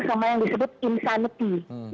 sama yang disebut insanity